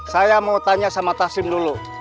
saya mau tanya sama tashim dulu